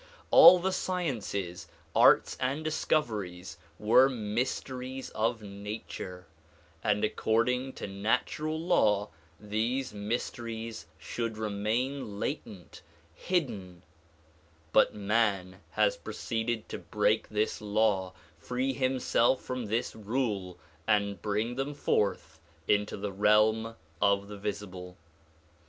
All the sciences, arts and discoveries were mysteries of nature, and according to natural law these mysteries should remain latent, hidden, but man has proceeded to break this law, free himself from this rule and bring them forth into the realm of the visible.